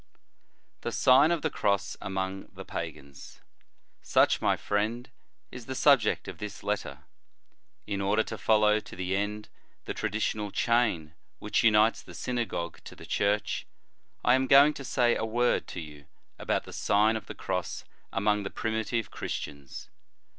THE Sign of the Cross among the pagans ; such, my friend, is the subject of this letter. In order to follow to the end the traditional chain which unites the synagogue to the church, I am going to say a word to you about the Sign of the Cross among the primitive Christians.